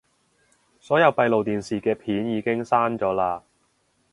所有閉路電視嘅片已經刪咗喇